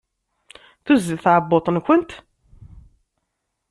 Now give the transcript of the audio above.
Tuzzel tɛebbuḍt-nkent?